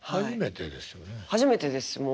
初めてですよね。